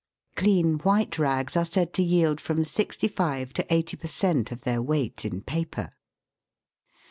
Clean white rags are said to yield from 65 to 80 per cent, of their weight in paper.